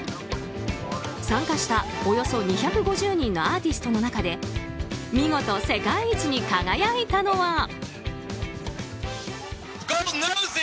参加した、およそ２５０人のアーティストの中で見事、世界一に輝いたのは。